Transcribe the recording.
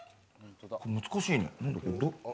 難しいね。